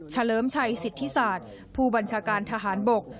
เลิมชัยสิทธิศาสตร์ผู้บัญชาการทหารบก